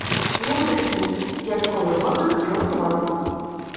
Внутрішній п'ятковий горбик жовтуватий.